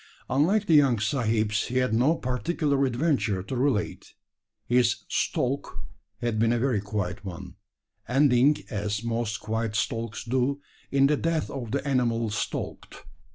Unlike the young sahibs, he had no particular adventure to relate. His "stalk" had been a very quiet one ending, as most quiet stalks do, in the death of the animal stalked.